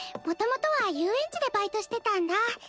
もともとは遊園地でバイトしてたんだ。